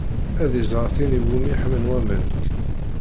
Ad iẓer tin iwumi ḥman waman.